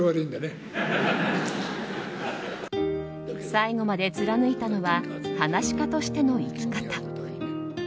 最後まで貫いたのは噺家としての生き方。